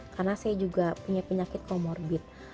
karena saya juga punya penyakit comorbid